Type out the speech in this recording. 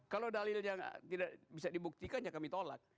kalau dalilnya tidak bisa dibuktikan ya kami tolak